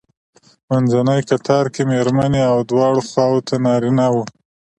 منځنی کتار کې مېرمنې او دواړو خواوو ته نارینه وو.